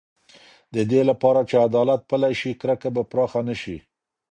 د دې لپاره چې عدالت پلی شي، کرکه به پراخه نه شي.